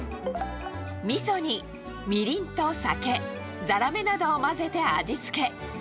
みそにみりんと酒、ざらめなどを混ぜて味付け。